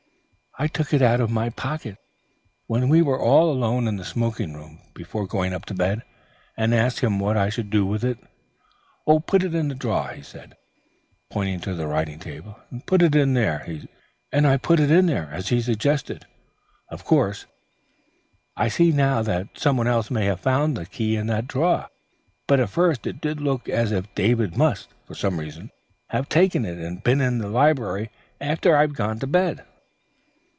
I took it out of my pocket when we were alone in the smoking room before going up to bed, and asked him what I should do with it. "'Oh, put it in a drawer,' he said, pointing to the writing table, and I put it there, as he suggested. Of course I see now that some one else may have found the key in that drawer, but at first it did look as if David must, for some reason, have taken it, and been in the library, after I'd gone to bed."